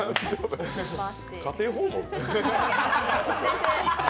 家庭訪問？